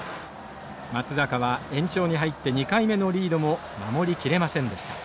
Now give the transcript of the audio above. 松坂は延長に入って２回目のリードも守りきれませんでした。